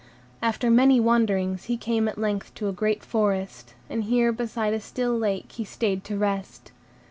After many wanderings, he came at length to a great forest, and here beside a still lake he stayed to rest.